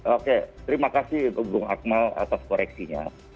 oke terima kasih bung akmal atas koreksinya